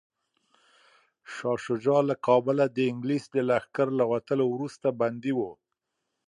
شاه شجاع له کابله د انګلیس د لښکر له وتلو وروسته بندي و.